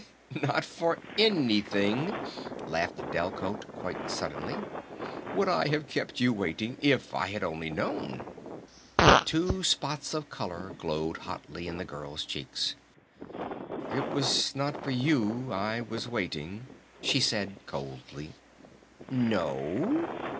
"Not for anything," laughed Delcote quite suddenly, "would I have kept you waiting if I had only known." Two spots of color glowed hotly in the girl's cheeks. "It was not for you I was waiting," she said coldly. "N o?"